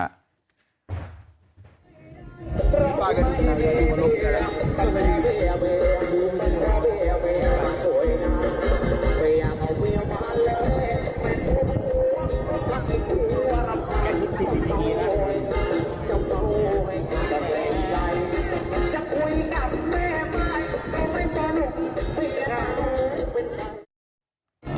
แค่ทิ้งปิ๊บเลยนะ